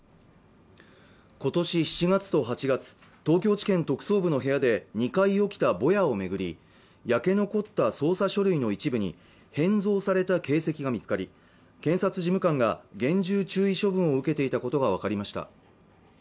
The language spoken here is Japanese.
今年７月と８月東京地検特捜部の部屋で２回起きたぼやを巡り焼け残った捜査書類の一部に変造された形跡が見つかり検察事務官が厳重注意処分を受けていたことが分かりました